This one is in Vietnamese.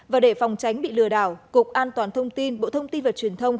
và để phòng tránh bị lừa đảo cục an toàn thông tin bộ thông tin và truyền thông